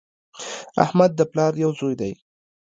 احمد د پلار یو زوی دی